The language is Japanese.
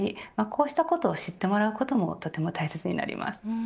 こうしたことを知ってもらうこともとても大切になります。